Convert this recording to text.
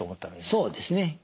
そうですね。